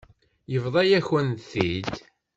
Yebḍa-yakent-t-id.